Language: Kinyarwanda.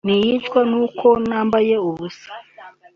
ntinyishwa n’uko nambaye ubusa